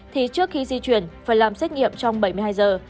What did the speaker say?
thì trước khi di chuyển phải làm xét nghiệm trong bảy mươi hai giờ